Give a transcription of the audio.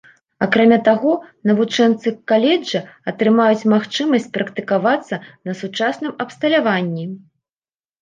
Акрамя таго, навучэнцы каледжа атрымаюць магчымасць практыкавацца на сучасным абсталяванні.